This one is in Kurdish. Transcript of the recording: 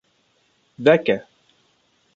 Veke.